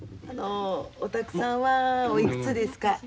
あのお宅さんはおいくつですか？